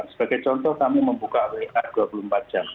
sebagai contoh kami membuka wa dua puluh empat jam